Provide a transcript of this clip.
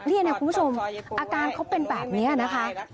นี่คุณผู้ชมอาการเขาเป็นแบบนี้นะคะ